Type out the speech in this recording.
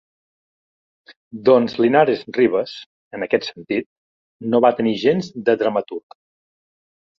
Doncs Linares Rivas, en aquest sentit, no va tenir gens de dramaturg.